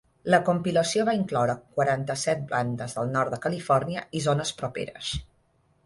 La compilació va incloure quaranta-set bandes del nord de Califòrnia i zones properes.